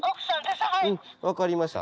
分かりました。